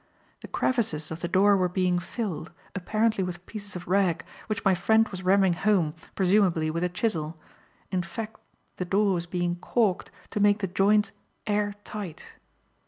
The crevices of the door were being filled, apparently with pieces of rag, which my friend was ramming home, presumably with a chisel. In fact the door was being "caulked" to make the joints airtight.